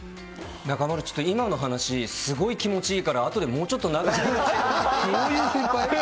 中丸、ちょっと今の話、すごい気持ちいいから、後でもうちょっと長く。